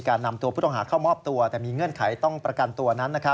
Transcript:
นำตัวผู้ต้องหาเข้ามอบตัวแต่มีเงื่อนไขต้องประกันตัวนั้น